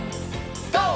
ＧＯ！